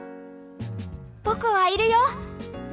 僕はいるよ！